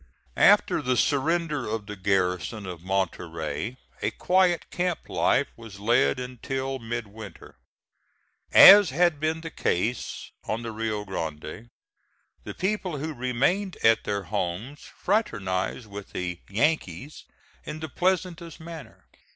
After the surrender of the garrison of Monterey a quiet camp life was led until midwinter. As had been the case on the Rio Grande, the people who remained at their homes fraternized with the "Yankees" in the pleasantest manner.